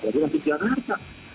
lalu masuk ke kelas empat